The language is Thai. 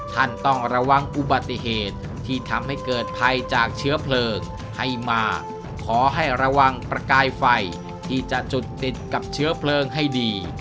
ท่านต้องระวังอุบัติเหตุที่ทำให้เกิดภัยจากเชื้อเพลิงให้มาขอให้ระวังประกายไฟที่จะจุดติดกับเชื้อเพลิงให้ดี